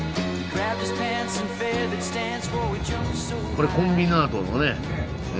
これコンビナートのね